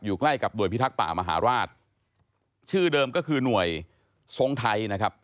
ใกล้กับหน่วยพิทักษ์ป่ามหาราชชื่อเดิมก็คือหน่วยทรงไทยนะครับ